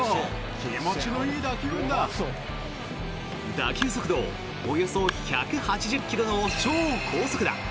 打球速度およそ１８０ｋｍの超高速打。